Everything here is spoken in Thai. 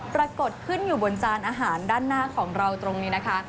ปรากฏขึ้นอยู่บนจานอาหารด้านหน้าของเราตรงนี้นะคะ